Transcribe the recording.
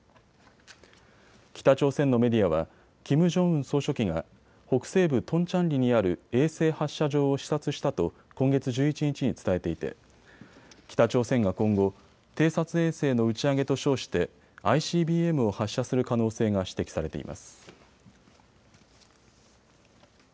北朝鮮のメディアはキム・ジョンウン総書記が北西部トンチャンリにある衛星発射場を視察したと今月１１日に伝えていて北朝鮮が今後、偵察衛星の打ち上げと称してＩＣＢＭを発射する可能性が指摘されています。